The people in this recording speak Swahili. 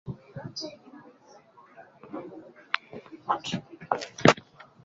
kiongozi wa kabila la Oguz Kwa hivyo